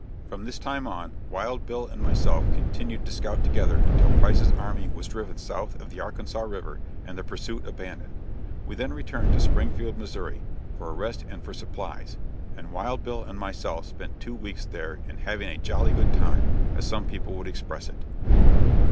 From this time on, Wild Bill and myself continued to scout together until Price's army was driven south of the Arkansas River and the pursuit abandoned. We then returned to Springfield, Missouri, for a rest and for supplies, and Wild Bill and myself spent two weeks there in "having a jolly good time," as some people would express it.